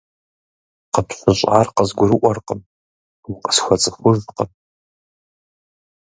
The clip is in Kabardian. КъыпщыщӀар къызгурыӀуэркъым, укъысхуэцӀыхужкъым.